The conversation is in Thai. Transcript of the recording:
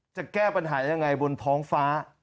จะแก้ปัญหายังไงบนท้องฟ้า